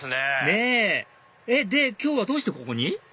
ねぇで今日はどうしてここに？